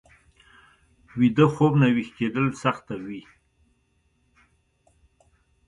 ویده خوب نه ويښ کېدل سخته وي